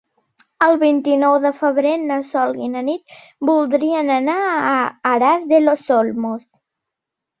El vint-i-nou de febrer na Sol i na Nit voldrien anar a Aras de los Olmos.